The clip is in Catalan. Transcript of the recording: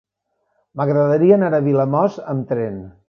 M'agradaria anar a Vilamòs amb tren.